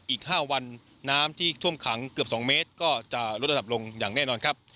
อีก๕วันน้ำที่ท่วมขังเกือบ๒เมตรก็จะลดระดับลงอย่างแน่นอนครับ